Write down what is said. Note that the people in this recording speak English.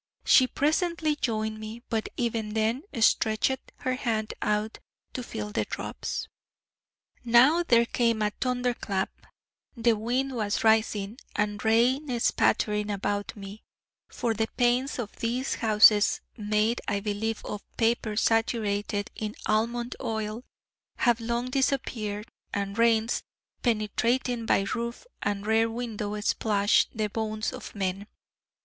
She presently joined me, but even then stretched her hand out to feel the drops. Now there came a thunder clap, the wind was rising, and rain spattering about me: for the panes of these houses, made, I believe, of paper saturated in almond oil, have long disappeared, and rains, penetrating by roof and rare window, splash the bones of men.